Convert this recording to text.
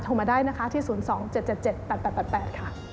โทรมาได้นะคะที่๐๒๗๗๗๘๘๘ค่ะ